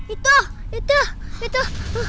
itu itu itu